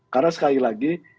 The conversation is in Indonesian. karena sekali lagi